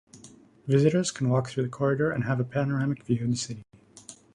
Visitors can walk through the corridor and have a panoramic view of the city.